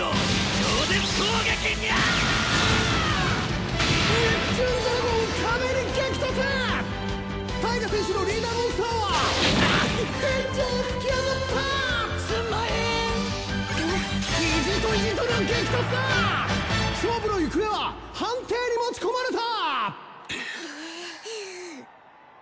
勝負の行方は判定に持ち込まれた！